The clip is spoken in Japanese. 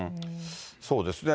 そうですね。